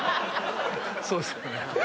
そうですよね。